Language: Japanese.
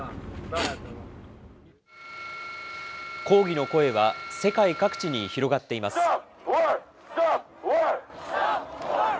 抗議の声は、世界各地に広がっています。